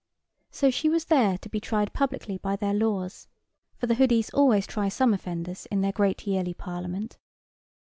So she was to be tried publicly by their laws (for the hoodies always try some offenders in their great yearly parliament).